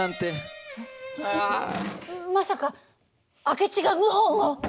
まさか明智が謀反を！？